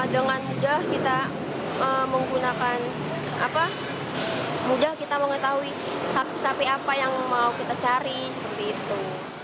dengan mudah kita menggunakan mudah kita mengetahui sapi sapi apa yang mau kita cari seperti itu